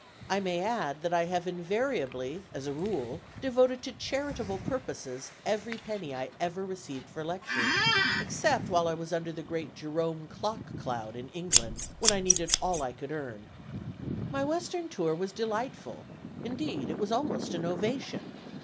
I may add, that I have invariably, as a rule, devoted to charitable purposes every penny I ever received for lecturing, except while I was under the great Jerome Clock cloud in England, when I needed all I could earn. My western tour was delightful; indeed it was almost an ovation.